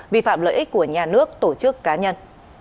vi phạm lợi ích của nhà nước tổ chức cá nhân